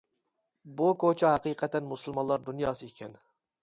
بۇ كوچا ھەقىقەتەن مۇسۇلمانلار دۇنياسى ئىكەن.